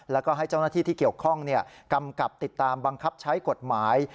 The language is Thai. แล้วก็ให้เจ้าหน้าที่ที่เกี่ยวข้องกำกับติดตามบังคับใช้กฎหมาย